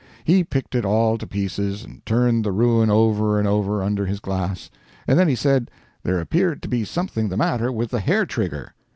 He picked it all to pieces, and turned the ruin over and over under his glass; and then he said there appeared to be something the matter with the hair trigger.